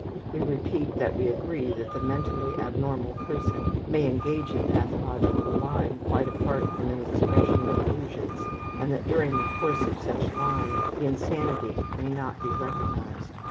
We repeat that we agree that the mentally abnormal person may engage in pathological lying quite apart from any expression of delusions, and that during the course of such lying the insanity may not be recognized.